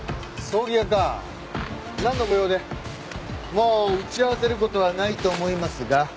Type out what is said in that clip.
もう打ち合わせることはないと思いますが。